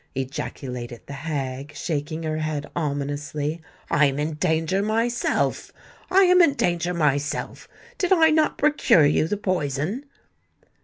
ejaculated the hag, shaking her head ominously: "I am in danger myself—I am in danger myself! Did I not procure you the poison?"